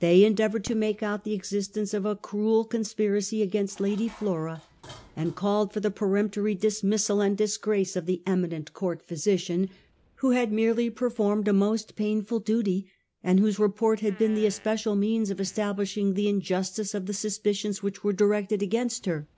They endeavoured to make out the existence. of a cruel conspiracy against Lady Flora, and called for the peremptory dismissal and disgrace of the eminent court physician, who had merely performed a most painful duty, and whose re port had been the especial means of establishing the injustice of the suspicions which were directed against her.